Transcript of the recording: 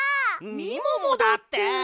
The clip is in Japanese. みももだって！